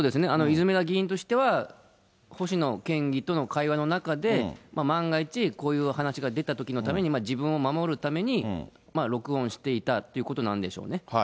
泉田議員としては、星野県議との会話の中で、万が一、こういう話が出たときのために、自分を守るために、録音していたってことなんでしょうね。